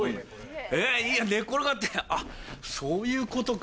えいいや寝っ転がってそういうことか。